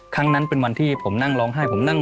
ครั้งนั้นเป็นวันที่ผมนั่งร้องไห้ผมนั่ง